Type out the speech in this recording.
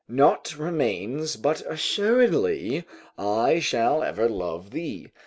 Nought remains, but assuredly I shall ever love thee."